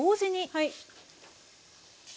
はい。